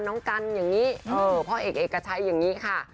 น้องกันอย่างนี้พ่อเอกเอกชัยอย่างนี้ค่ะ